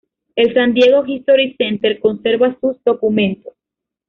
El San Diego History Center conserva sus documentos.